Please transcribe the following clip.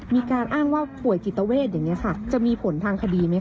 มีการอ้างว่าป่วยจิตเวทอย่างนี้ค่ะจะมีผลทางคดีไหมค